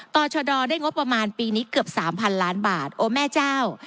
ต่อชะดอได้งบประมาณปีนี้เกือบ๓๐๐๐ล้านบาทโอ้แม่เจ้า